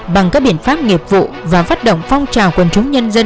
bằng các biện pháp nghiệp vụ và phát động phong trào quân chống nhân dân